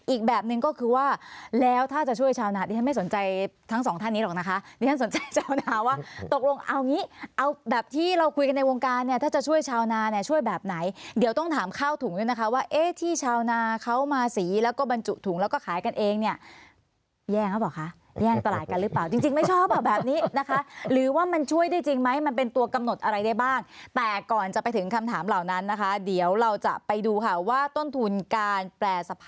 อีกแบบนึงก็คือว่าแล้วถ้าจะช่วยชาวนาดิฉันไม่สนใจทั้งสองท่านนี้หรอกนะคะดิฉันสนใจชาวนาว่าตกลงเอางี้เอาแบบที่เราคุยกันในวงการเนี่ยถ้าจะช่วยชาวนาเนี่ยช่วยแบบไหนเดี๋ยวต้องถามข้าวถุงด้วยนะคะว่าเอ๊ะที่ชาวนาเขามาสีแล้วก็บรรจุถุงแล้วก็ขายกันเองเนี่ยแย่งหรอบอกคะแย่งตลาดกันหรือ